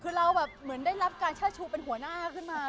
คือเราแบบเหมือนได้รับการเชิดชูเป็นหัวหน้าขึ้นมา